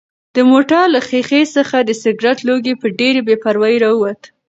د موټر له ښیښې څخه د سګرټ لوګی په ډېرې بې پروایۍ راووت.